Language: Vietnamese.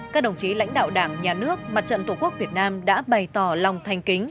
các đồng chí lãnh đạo đảng nhà nước mặt trận tổ quốc việt nam đã bày tỏ lòng thành kính